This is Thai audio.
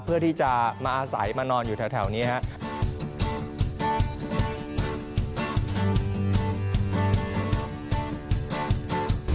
เพื่อที่จะมาอาศัยมานอนอยู่แถวนี้ครับ